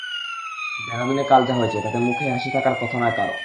দেরাদুনে কাল যা হয়েছে, তাতে মুখে হাসি থাকার কথা নয় কারও।